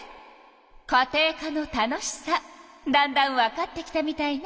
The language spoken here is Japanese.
家庭科の楽しさだんだんわかってきたみたいね。